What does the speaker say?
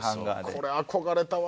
これ憧れたわ。